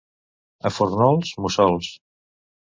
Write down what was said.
A Fórnols, mussols.